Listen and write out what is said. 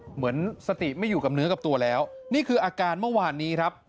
เหมือนสติไม่อยู่กับเนื้อกับตัวแล้วนี่คืออาการเมื่อวานนี้ครับ